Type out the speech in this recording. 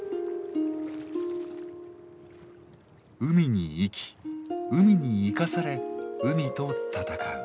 海に生き海に生かされ海と闘う。